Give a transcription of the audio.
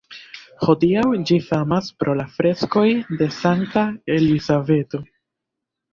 Hodiaŭ ĝi famas pro la freskoj de Sankta Elizabeto.